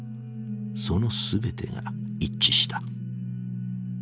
その全てが一致した。